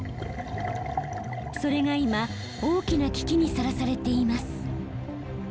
それが今大きな危機にさらされています。